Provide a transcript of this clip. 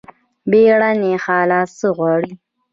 بیړني حالات څه غواړي؟